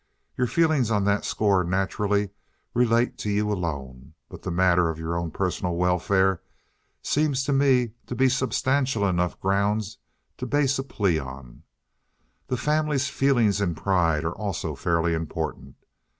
Your feelings on that score naturally relate to you alone. But the matter of your own personal welfare seems to me to be substantial enough ground to base a plea on. The family's feelings and pride are also fairly important.